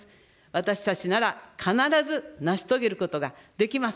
私たちなら必ず成し遂げることができます。